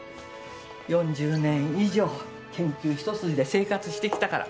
４０年以上研究一筋で生活してきたから。